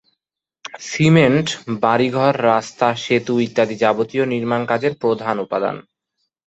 Cement বাড়ী-ঘর, রাস্তা, সেতু ইত্যাদি যাবতীয় নির্মাণ কাজের প্রধান উপাদান।